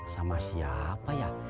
sama siapa ya